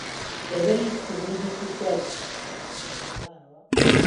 ڕێبەری سڤیلی تورکیا لەلایەن حکوومەتەکەی ئەردۆغانەوە